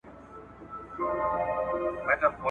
د کوترو لویه خونه کي کوتري ..